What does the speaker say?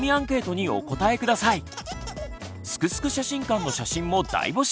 「すくすく写真館」の写真も大募集！